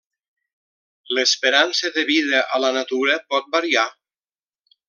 L'esperança de vida a la natura pot variar.